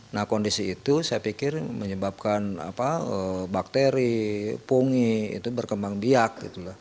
nah kondisi itu saya pikir menyebabkan bakteri pungi itu berkembang biak